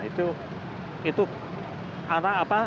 itu itu arah apa